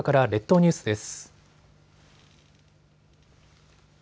列島ニュースです。